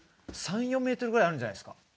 ３４メートルぐらいあるんじゃないですか？